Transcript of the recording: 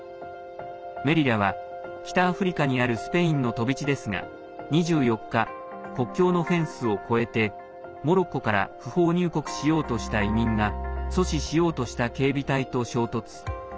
メリリャは北アフリカにあるスペインの飛び地ですが２４日、国境のフェンスを越えてモロッコから不法入国しようとした移民が阻止しようとした警備隊と衝突。